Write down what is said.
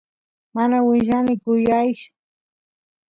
mana willani kuyaysh